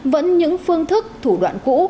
vẫn những phương thức thủ đoạn cũ